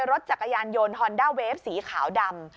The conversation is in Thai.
รถจักรยานยนต์ฮอนด้าเวฟสีขาวดำ